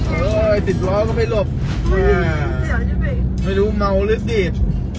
เออติดล้อไม่เคยหลบไม่รู้เมาหรือดีด